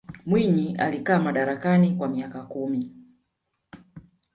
mwinyi alikaa madarakani kwa miaka kumi